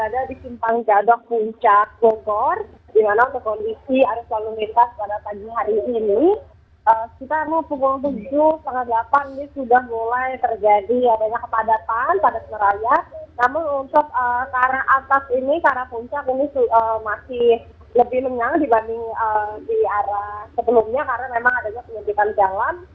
jadi adanya kepadatan pada semaraya namun untuk arah atas ini arah puncak ini masih lebih lenyang dibanding di arah sebelumnya karena memang adanya penyusupan jalan